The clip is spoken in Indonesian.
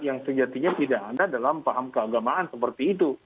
yang sejatinya tidak ada dalam paham keagamaan seperti itu